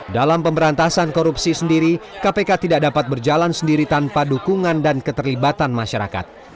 dalam pemberantasan korupsi sendiri kpk tidak dapat berjalan sendiri tanpa dukungan dan keterlibatan masyarakat